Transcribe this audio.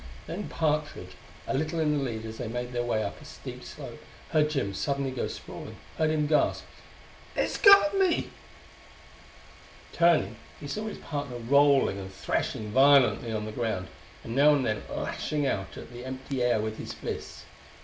Then Partridge, a little in the lead as they made their way up a steep slope, heard Jim suddenly go sprawling; heard him gasp: "It's got me!" Turning, he saw his partner rolling and threshing violently on the ground, and now and then lashing out at the empty air with his fists.